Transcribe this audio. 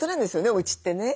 おうちってね。